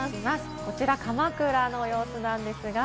こちら鎌倉の様子なんですが。